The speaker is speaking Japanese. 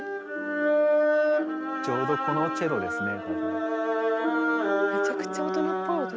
ちょうどこのチェロですね。